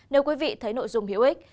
nếu quý vị thấy nội dung hiệu ích